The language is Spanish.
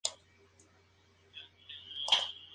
Este corto fue exhibido en el Festival de Cannes.